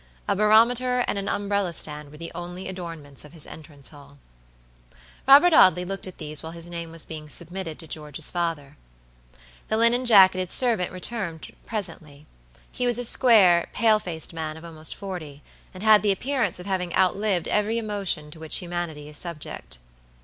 A barometer and an umbrella stand were the only adornments of his entrance hall. Robert Audley looked at these while his name was being submitted to George's father. The linen jacketed servant returned presently. He was a square, pale faced man of almost forty, and had the appearance of having outlived every emotion to which humanity is subject.